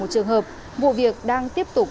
một trường hợp vụ việc đang tiếp tục